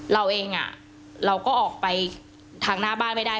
เราเองเราก็ออกไปทางหน้าบ้านไม่ได้